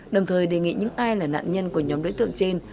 đồng thời đề nghị những ai là nạn nhân của nhóm đối tượng trên